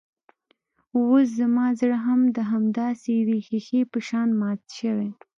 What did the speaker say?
اوس زما زړه هم د همداسې يوې ښيښې په شان مات شوی.